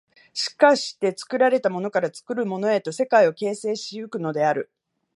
しかして作られたものから作るものへと世界を形成し行くのである。